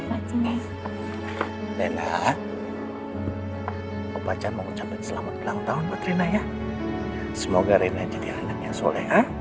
baca baca mau cantik selamat ulang tahun buat rina ya semoga rina jadi anaknya soleha